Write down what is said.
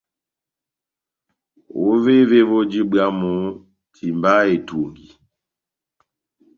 Ovévé voji bwámu, timbaha etungi.